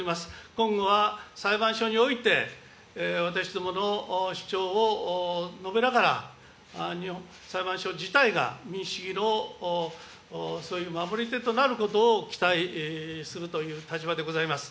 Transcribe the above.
今後は裁判所において、私どもの主張を述べながら、裁判所自体が民主主義のそういう守り手となることを期待するという立場でございます。